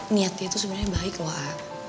niatnya itu sebenarnya baik loh ah